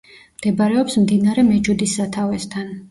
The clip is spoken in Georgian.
მდებარეობს მდინარე მეჯუდის სათავესთან.